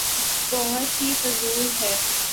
بہت ہی فضول ہے۔